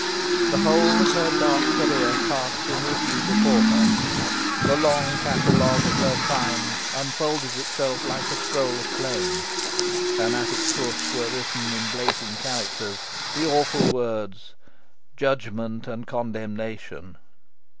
The whole of her dark career passed in review before her. The long catalogue of her crimes unfolded itself like a scroll of flame, and at its foot were written in blazing characters the awful words, JUDGMENT AND CONDEMNATION!